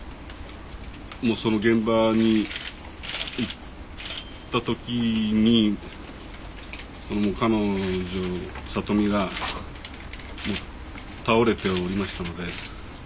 その現場に行った時に彼女怜美が倒れておりましたので。